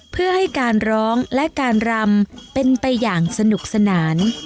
เพื่อให้การร้องและการรำเป็นไปอย่างสนุกสนาน